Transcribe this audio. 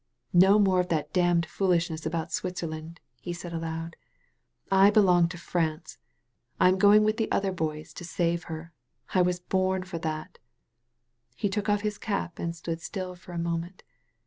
'^No more of that danmed foolishness about Switzerland," he said, aloud. '^I belong to France. I am going with the other boys to save her. I was bom for that." He took off his cap and stood still for a moment.